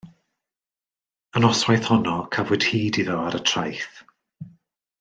Y noswaith honno cafwyd hyd iddo ar y traeth.